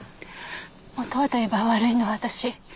元はと言えば悪いのは私。